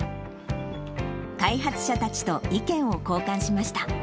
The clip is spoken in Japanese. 開発者たちと意見を交換しました。